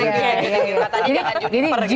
jadi jangan juniper gitu